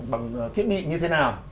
bằng thiết bị như thế nào